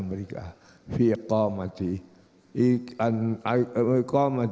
oj mode yg an the kissan iqama team mawa mase morg is a nah al mbhra al amro ya allah allah